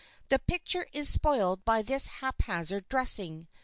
The picture is spoiled by this haphazard dressing.